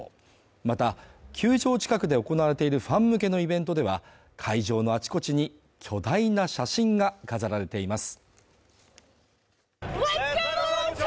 また、球場近くで行われているファン向けのイベントでは、会場のあちこちに巨大な写真が飾られています。